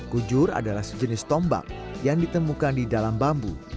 kujur adalah sejenis tombak yang ditemukan di dalam bambu